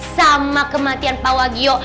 sama kematian pak wagio